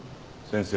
先生。